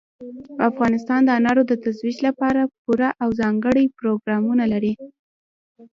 افغانستان د انارو د ترویج لپاره پوره او ځانګړي پروګرامونه لري.